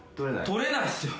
取れないっすよ。